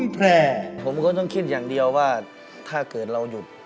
แพร่ผมก็ต้องคิดอย่างเดียวว่าถ้าเกิดเราหยุด